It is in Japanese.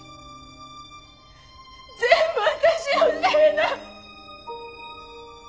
全部私のせいだ！